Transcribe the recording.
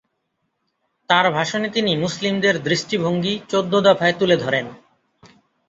তার ভাষণে তিনি মুসলিমদের দৃষ্টিভঙ্গি চৌদ্দ দফায় তুলে ধরেন।